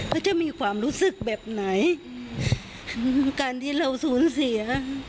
เขาจะมีความรู้สึกแบบไหนการที่เราสูญเสีย